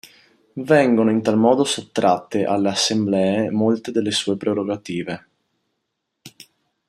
Vengono in tal modo sottratte alle assemblee molte delle sue prerogative.